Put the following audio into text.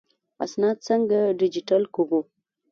اسناد څنګه ډیجیټل کړو؟